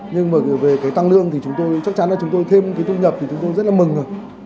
nhưng mà về cái tăng lương thì chúng tôi chắc chắn là chúng tôi thêm cái thu nhập thì chúng tôi rất là mừng rồi